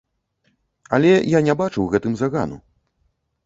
Але я не бачу ў гэтым загану.